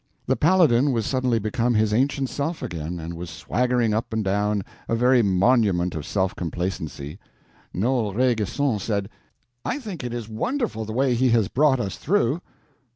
The Paladin was suddenly become his ancient self again, and was swaggering up and down, a very monument of self complacency. Noel Rainguesson said: "I think it is wonderful, the way he has brought us through."